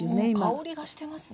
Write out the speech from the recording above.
香りがしてます